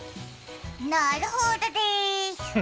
なるほどでーす。